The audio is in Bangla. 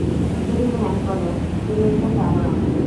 শুধু ভান কর তুমি একজন দারোয়ান।